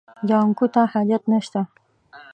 جانکو ته حاجت نشته.